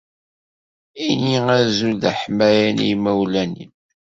Ini azul d aḥmayan i yimawlan-im.